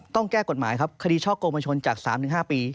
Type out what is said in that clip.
ทุกคนจาก๓๕ปี